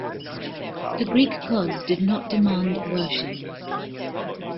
The Greek gods did not demand worship.